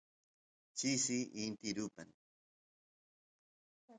chisi inti rupan